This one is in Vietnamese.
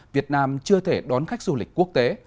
việt nam chưa thể đón khách du lịch quốc tế